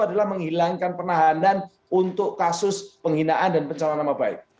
adalah menghilangkan penahanan untuk kasus penghinaan dan pencalonan nama baik